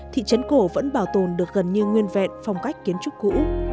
thị trấn cổ vẫn bảo tồn được gần như nguyên vẹn phong cách kiến trúc cũ